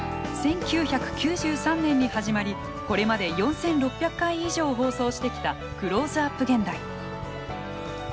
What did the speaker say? １９９３年に始まりこれまで４，６００回以上放送してきた「クローズアップ現代」。